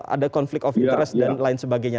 ada konflik kopi interasi dan lain sebagainya